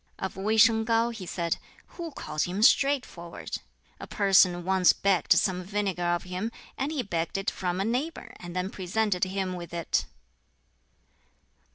Of Wei shang Kau he said, "Who calls him straightforward? A person once begged some vinegar of him, and he begged it from a neighbor, and then presented him with it!"